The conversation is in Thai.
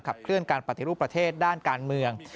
เคลื่อนการปฏิรูปประเทศด้านการเมือง